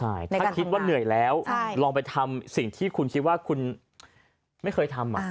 ถ้าคิดว่าเหนื่อยแล้วลองไปทำสิ่งที่คุณคิดว่าคุณไม่เคยทำ